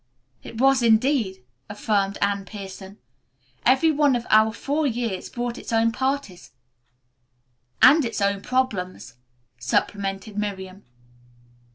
"It was indeed," affirmed Anne Pierson. "Every one of our four years brought its own parties." "And its own problems," supplemented Miriam.